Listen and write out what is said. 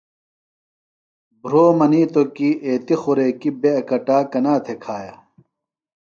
بُھروۡ منِیتوۡ کی ایتیۡ خوریکیۡ بےۡ اکٹا کنا تھےۡ کھایہ ؟